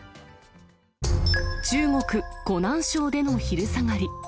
中国・湖南省での昼下がり。